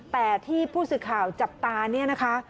แต่ที่ผู้สื่อข่าวจับตาเนี่ยนะคะ